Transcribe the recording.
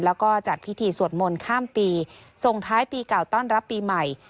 แล้วก็จัดพิธีสวดมนต์ข้ามปีส่งท้ายปีเก่าต้อนรับปีใหม่